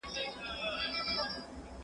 ايا ته تمرين کوې